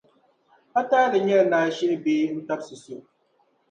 pa taali n nyɛ li ni a shihi bee n tabisi so.